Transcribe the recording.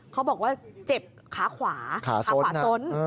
เขาบอกว่าเจ็บขาขวาขาขวาซ้น